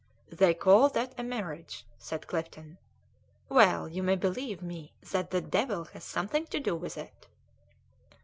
"They call that a mirage?" said Clifton. "Well, you may believe me that the devil has something to do with it."